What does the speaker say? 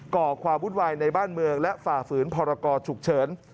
่อความวุ่นวายในบ้านเมืองและฝ่าฝืนพรกรฉุกเฉิน